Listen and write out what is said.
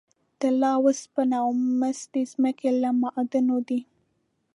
طلا، اوسپنه او مس د ځمکې له معادنو دي.